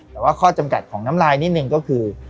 แต่ว่าข้อจำกัดของน้ำลายนิดนึงก็คือ